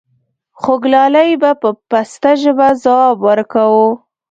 خوګلالۍ به په پسته ژبه ځواب وركا و :